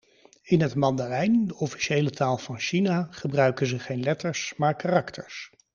In het Mandarijn, de officiële taal van China, gebruiken ze geen letters maar karakters.